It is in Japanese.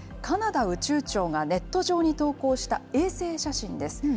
カナダ宇宙庁がネット上に投稿した衛星写真です。